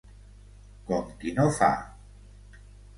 Com qui no fa.